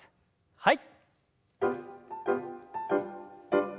はい。